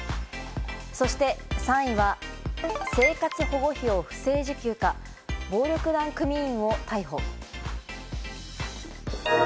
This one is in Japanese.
そして３位は生活保護費を不正受給か、暴力団組員を逮捕。